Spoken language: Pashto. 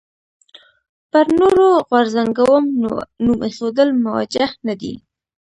پر نورو غورځنګونو نوم ایښودل موجه نه دي.